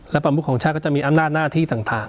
และประมุขของชาติก็จะมีอำนาจหน้าที่ต่าง